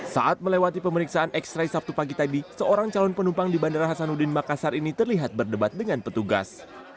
saat melewati pemeriksaan x ray sabtu pagi tadi seorang calon penumpang di bandara hasanuddin makassar ini terlihat berdebat dengan petugas